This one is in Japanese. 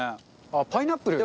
あっパイナップル。